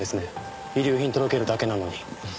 遺留品届けるだけなのに。